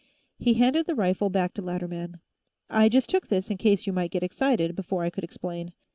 He handed the rifle back to Latterman. "I just took this in case you might get excited, before I could explain.